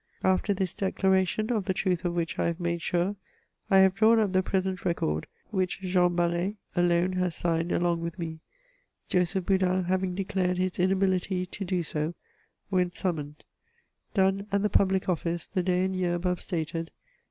After this declaration, of the truth of which I have made sure, I have drawn up the present record, which Jean Basl^ alone has signed along with me, Joseph Boudin having declared his inability to do so, when summoned. " Done at the public office, the day and year above stated.